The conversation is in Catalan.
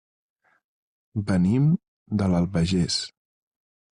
Venim de l'Albagés.